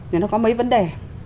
nên nó có mấy vấn đề